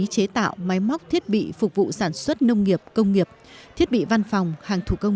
chế tạo máy móc thiết bị phục vụ sản xuất nông nghiệp công nghiệp thiết bị văn phòng hàng thủ công